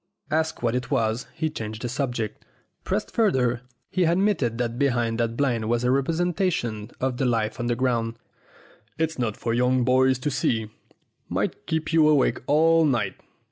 Asked what it was, he changed the subject. Pressed further, he admitted that behind that blind was a representation of the life underground. "It's not for young boys to see. Might keep you awake all night.